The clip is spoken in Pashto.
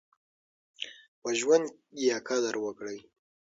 په ژوند يې قدر وکړئ.